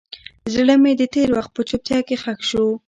زړه مې د تېر وخت په چوپتیا کې ښخ شو.